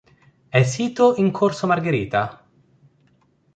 È sito in corso Margherita.